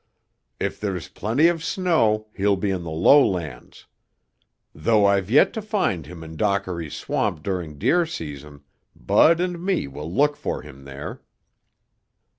If there's plenty of snow, he'll be in the lowlands. (Though I've yet to find him in Dockerty's Swamp during deer season, Bud and me will look for him there.)